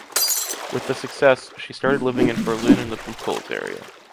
With the success, she started living in Berlin in the Buchholz area.